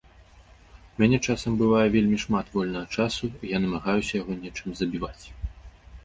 У мяне часам бывае вельмі шмат вольнага часу, і я намагаюся яго нечым забіваць.